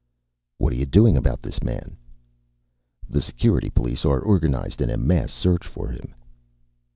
"What are you doing about this man?" "The Security police are organized in a mass search for him."